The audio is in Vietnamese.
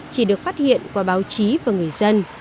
chỉ được phát hiện qua báo chí và người dân